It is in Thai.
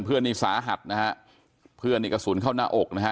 เพื่อนนี่สาหัสนะฮะเพื่อนนี่กระสุนเข้าหน้าอกนะฮะ